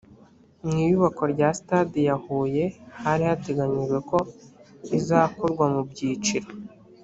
mu iyubakwa rya sitade ya huye hari hateganyijwe ko izakorwa mu byiciro